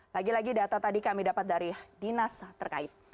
lagi lagi data tadi kami dapat dari dinas terkait